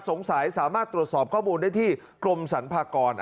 สามารถตรวจสอบข้อมูลได้ที่กรมสรรพากร